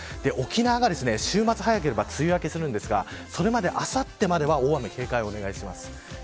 沖縄が週末、早ければ梅雨明けするんですがあさってまでは大雨に警戒をお願いします。